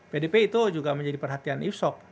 pdp itu juga menjadi perhatian ifsoc